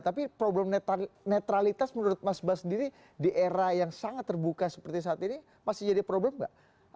tapi problem netralitas menurut mas bas sendiri di era yang sangat terbuka seperti saat ini masih jadi problem nggak